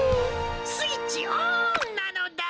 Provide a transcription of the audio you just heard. スイッチオンなのだ！